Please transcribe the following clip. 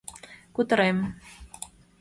Кутырем!..